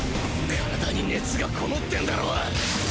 体に熱がこもってんだろ？